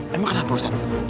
memang kenapa pak ustadz